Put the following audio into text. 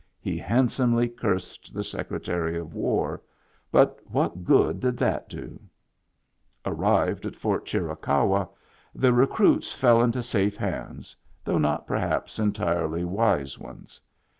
He handsomely cursed the Secretary of War, but what good did that do ? Arrived at Fort Chiricahua, the recruits fell into safe hands, though not perhaps entirely wise ones.